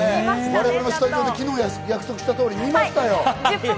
我々もスタジオで昨日約束した通り、見ましたよ。